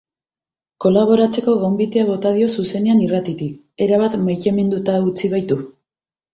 Kolaboratzeko gonbitea bota dio zuzenean irratitik, erabat maiteminduta utzi baitu.